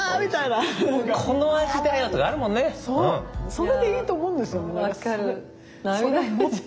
それでいいと思うんですよね。